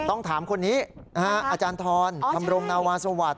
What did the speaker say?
ต้องถามคนนี้อทรคำโรงนวาสวัสดิ์